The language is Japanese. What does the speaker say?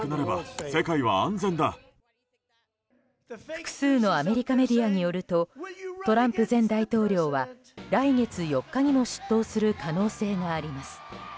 複数のアメリカメディアによるとトランプ前大統領は来月４日にも出頭する可能性があります。